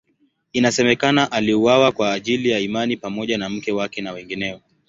Inasemekana aliuawa kwa ajili ya imani pamoja na mke wake na wengineo.